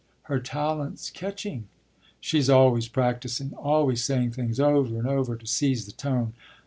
Her talent's catching!" "She's always practising always saying things over and over to seize the tone.